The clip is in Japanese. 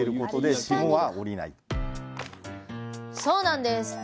そうなんです！